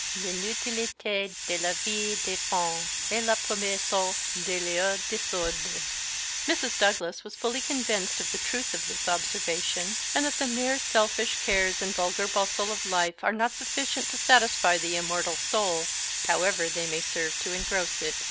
"L'inutilité de la vie des femmes est la premier source de leurs désordres." Mrs. Douglas was fully convinced of the truth of this observation, and that the mere selfish cares and vulgar bustle of life are not sufficient to satisfy the immortal soul, however they may serve to engross it.